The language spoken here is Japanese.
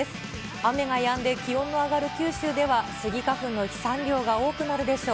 雨がやんで、気温が上がる九州ではスギ花粉の飛散量が多くなるでしょう。